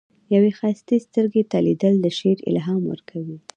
یوې ښایستې سترګې ته لیدل، د شعر الهام ورکوي.